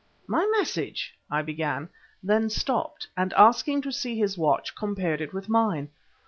"My message " I began, then stopped, and asking to see his watch, compared it with mine.